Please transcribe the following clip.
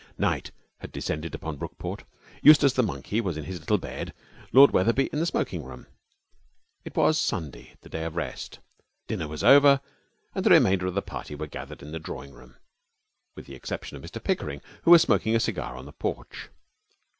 Night had descended upon Brookport. Eustace, the monkey, was in his little bed; Lord Wetherby in the smoking room. It was Sunday, the day of rest. Dinner was over, and the remainder of the party were gathered in the drawing room, with the exception of Mr Pickering, who was smoking a cigar on the porch.